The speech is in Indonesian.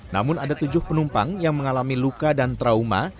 namun ada tujuh penumpang yang mengalami luka dan trauma